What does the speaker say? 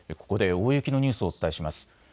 ここで大雪のニュースをお伝えします。